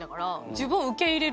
自分を受け入れる。